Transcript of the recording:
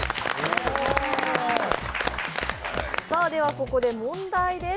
ここで問題です。